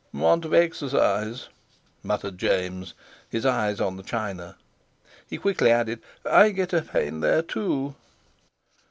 "Want of exercise," muttered James, his eyes on the china. He quickly added: "I get a pain there, too."